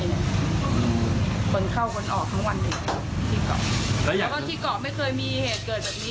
เกิดจากนี้เพิ่งมีคดีแรกอยู่เกาะมาสามสิบเจ็ดปีเลยค่ะ